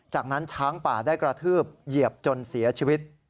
จากนั้นช้างป่าได้กระทืบเหยียบจนเสียชีวิต